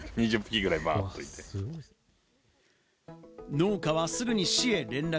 農家はすぐに市へ連絡。